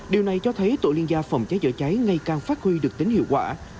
điều này cho thấy tổ liên gia phòng cháy chữa cháy ngày càng phát huy được tính hiệu quả